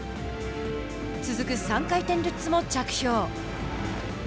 続く３回転ルッツも着氷。